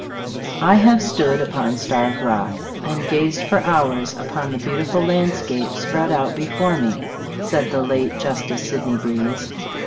"I HAVE stood upon Starved Rock, and gazed for hours upon the beautiful landscape spread out before me," said the late Justice Sydney Breese.